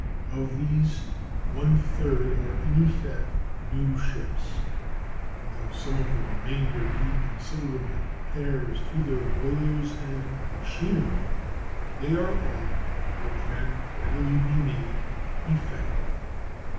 Of these, one third are in effect new ships, and though some of the remainder need considerable repairs to their boilers and machinery, they all are, or can readily be made, effective.